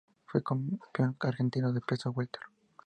Fue campeón argentino de peso welter.